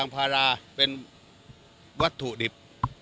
ภาราเป็นวัตถุดิบ